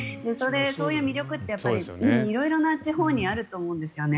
そういう魅力って色々な地方にあると思うんですよね。